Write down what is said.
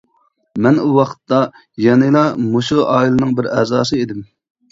مەن ئۇ ۋاقىتتا يەنىلا مۇشۇ ئائىلىنىڭ بىر ئەزاسى ئىدىم.